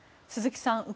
鈴木さん